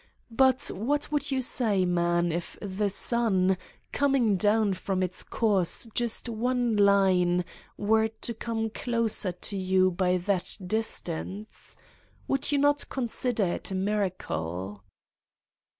But what would you say, man, if the swi, coming down from its course just one line were to come closer to you by that distance ? "Would you not consider it a miracle?